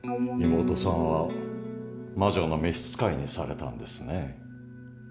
妹さんは魔女の召し使いにされたんですね。